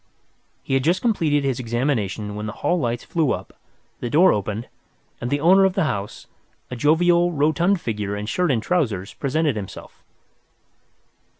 He had just completed his examination when the hall lights flew up, the door opened, and the owner of the house, a jovial, rotund figure in shirt and trousers, presented himself.